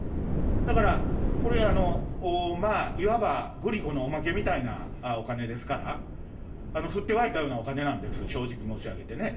だからこれ、まあいわばグリコのおまけみたいなお金ですから、ふってわいたようなお金なんです、正直申し上げてね。